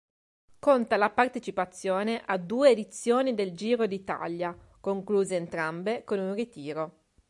Conta la partecipazione a due edizioni del Giro d'Italia, concluse entrambe con un ritiro.